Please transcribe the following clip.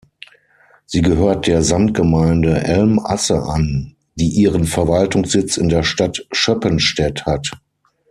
Sie gehört der Samtgemeinde Elm-Asse an, die ihren Verwaltungssitz in der Stadt Schöppenstedt hat.